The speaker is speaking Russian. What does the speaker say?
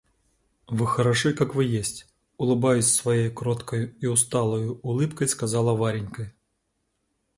Вы хороши, как вы есть, — улыбаясь своею кроткою и усталою улыбкой, сказала Варенька.